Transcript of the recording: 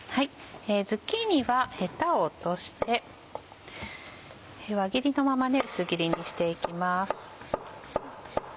ズッキーニはヘタを落として輪切りのまま薄切りにしていきます。